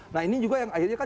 nah ini juga yang akhirnya kan